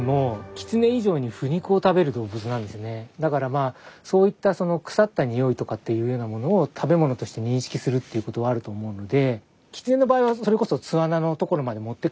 だからそういった腐ったニオイとかっていうような物を食べ物として認識するということはあると思うので。